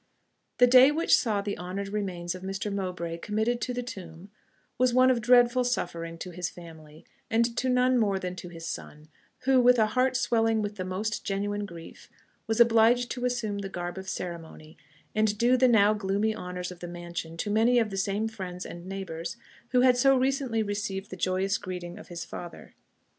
The day which saw the honoured remains of Mr. Mowbray committed to the tomb was one of dreadful suffering to his family, and to none more than to his son, who with a heart swelling with the most genuine grief, was obliged to assume the garb of ceremony, and do the now gloomy honours of the mansion to many of the same friends and neighbours who had so recently received the joyous greeting of his father.